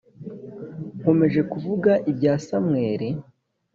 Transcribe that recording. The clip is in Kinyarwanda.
nkomeje kuvuga ibya Samweli